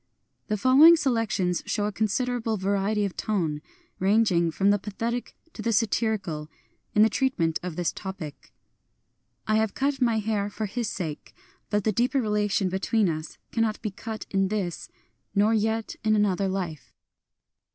The following selections show a considerable va riety of tone, — ranging from the pathetic to the satirical, — in the treatment of this topic : I have cut my hair for his sake ; hut the deeper relation be tween us Cannot he cut in this, nor yet in another life.